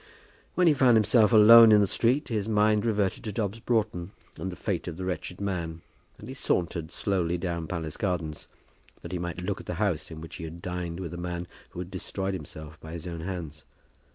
When he found himself alone in the street, his mind reverted to Dobbs Broughton and the fate of the wretched man, and he sauntered slowly down Palace Gardens, that he might look at the house in which he had dined with a man who had destroyed himself by his own hands.